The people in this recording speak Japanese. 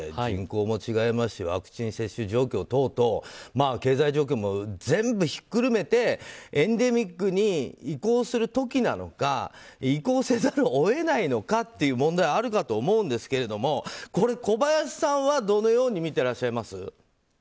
人口も違いますしワクチン接種状況等々経済状況も全部ひっくるめてエンデミックに移行する時なのか移行せざるを得ないのかっていう問題があるかと思うんですけれども小林さんはどのように見てらっしゃいます？